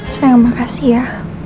sayang makasih ya